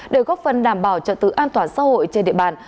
để góp phần đảm bảo trẻ tử an toàn xã hội trên địa bàn